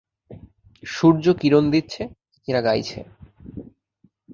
সূর্য কিরণ দিচ্ছে, পাখিরা গাইছে।